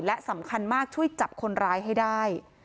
และสำคัญมากช่วยจับคนร้ายให้ได้